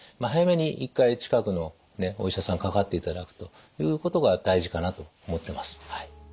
早めに一回近くのお医者さんかかっていただくということが大事かなと思ってます。